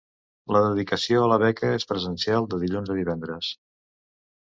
La dedicació a la beca és presencial de dilluns a divendres.